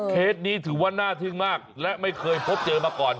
เคสนี้ถือว่าน่าทึ่งมากและไม่เคยพบเจอมาก่อน